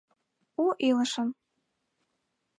У илышын